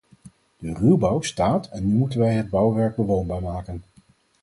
De ruwbouw staat en nu moeten wij het bouwwerk bewoonbaar maken.